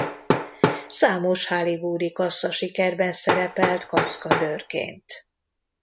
Számos hollywoodi kasszasikerben szerepelt kaszkadőrként.